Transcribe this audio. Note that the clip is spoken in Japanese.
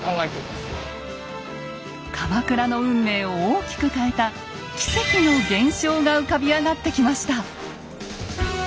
鎌倉の運命を大きく変えた奇跡の現象が浮かび上がってきました。